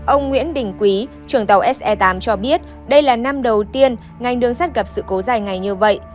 ông nguyễn đình quý trưởng tàu se tám cho biết đây là năm đầu tiên ngành đường sắt gặp sự cố dài ngày như vậy